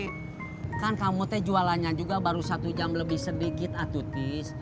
kan kamu teh jualannya juga baru satu jam lebih sedikit atuh tis